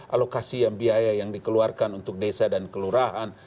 alokasi biaya yang dikeluarkan untuk desa dan keurahan